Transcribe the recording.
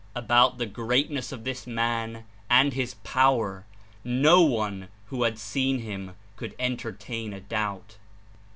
About the greatness of this man and his power no one who had seen him could entertain a doubt."